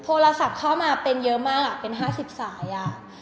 โทรศัพท์เข้ามาเป็นเยอะมากเป็น๕๐สายอ่ะ